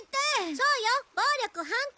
そうよ暴力反対。